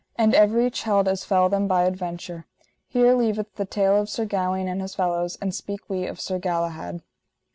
And everych held as fell them by adventure. Here leaveth the tale of Sir Gawaine and his fellows, and speak we of Sir Galahad.